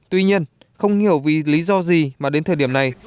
tuy nhiên không hiểu vì lý do gì mà đến thời điểm này